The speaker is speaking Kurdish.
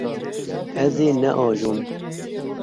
Ez ê neajom.